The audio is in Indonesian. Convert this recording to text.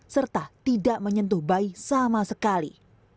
serta tidak menyentuh bayi sama sekali